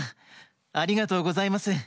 ありがとうございます。